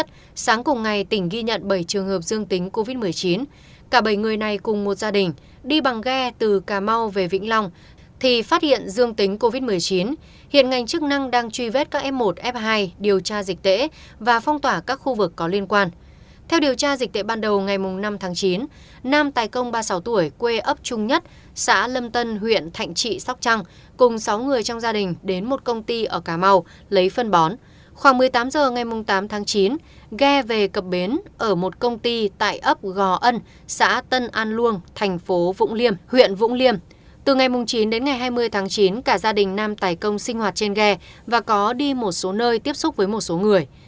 từ ngày chín đến ngày hai mươi tháng chín cả gia đình nam tài công sinh hoạt trên ghe và có đi một số nơi tiếp xúc với một số người